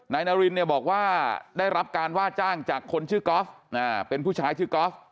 นารินเนี่ยบอกว่าได้รับการว่าจ้างจากคนชื่อกอล์ฟเป็นผู้ชายชื่อกอล์ฟ